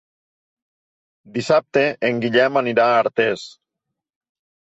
Dissabte en Guillem anirà a Artés.